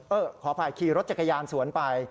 เอ้อขออภัยขี่รถจักรยานยนต์สวนไป